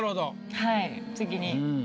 はい次に。